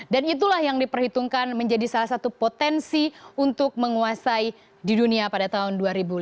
dan itulah yang diperhitungkan menjadi salah satu potensi untuk menguasai di dunia pada tahun dua ribu lima puluh